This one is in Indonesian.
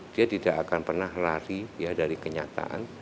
dia tidak akan pernah lari dari kenyataan